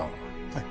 はい。